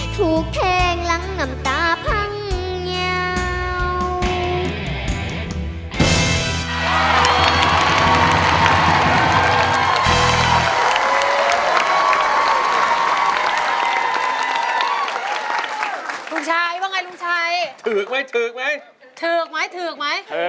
ถูกเพลงหลังน้ำตาพังเหนียว